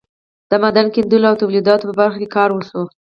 د معدن کیندلو او تولیداتو په برخه کې کار وشو.